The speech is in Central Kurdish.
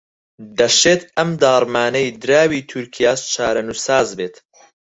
دەشێت ئەم داڕمانەی دراوی تورکیاش چارەنووسساز بێت